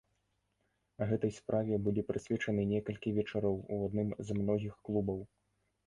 Гэтай справе былі прысвечаны некалькі вечароў у адным з многіх клубаў.